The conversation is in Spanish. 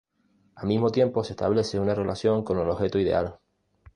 Al mismo tiempo se establece una relación con el objeto ideal.